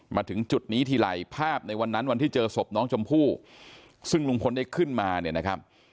มาถึงจุดนี้ทีไรภาพในวันนั้นวันที่เจอศพน้องชมพู่ซึ่งลุงพลได้ขึ้นมาเนี่ยนะครับ